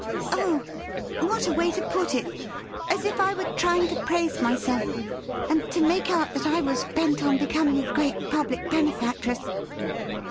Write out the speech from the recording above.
Oh, what a way to put it !— as if I were trying to praise myself and to make out that I was bent on becoming a great public benefactress